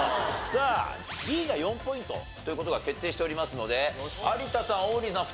さあＤが４ポイントという事が決定しておりますので有田さん王林さん